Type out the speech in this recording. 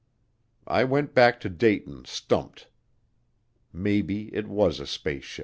I went back to Dayton stumped maybe it was a spaceship.